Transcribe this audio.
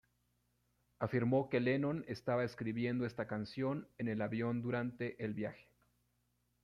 Afirmó que Lennon estaba escribiendo esta canción en el avión durante el viaje.